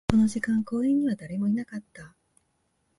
この時間、公園には誰もいなかった